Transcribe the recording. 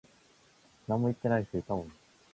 Carol pays him and sits on the sofa, staring into space.